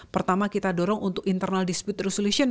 pertama kita dorong untuk internal dispute resolution